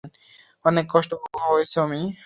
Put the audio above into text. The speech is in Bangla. অনেক কষ্ট হচ্ছে ওমি?